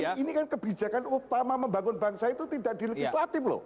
ini kan kebijakan utama membangun bangsa itu tidak di legislatif loh